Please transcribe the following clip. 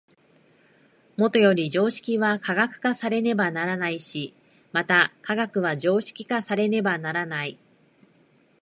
もとより常識は科学化されねばならないし、また科学は常識化されねばならない。